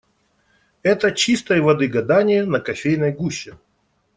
Это - чистой воды гадание на кофейной гуще.